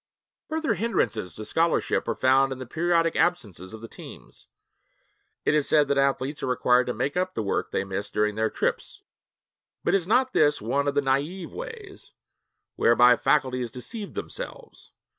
Further hindrances to scholarship are found in the periodic absences of the teams. It is said that athletes are required to make up the work they miss during their trips, but is not this one of the naïve ways whereby faculties deceive themselves?